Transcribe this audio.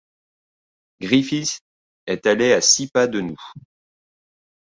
Griffith est allée à six pas de nous.